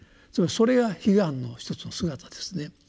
それが「悲願」の一つの姿ですね。